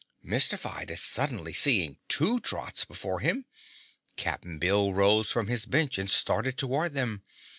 Mystified at suddenly seeing two Trots before him, Cap'n Bill rose from his bench and started toward them.